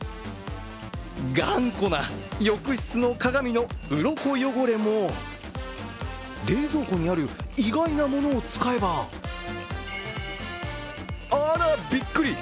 頑固な浴室の鏡のうろこ汚れも、冷蔵庫にある意外なものを使えばあら、びっくり。